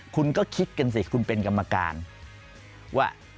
คุณก็คิดกันสิคุณเป็นกรรมการว่า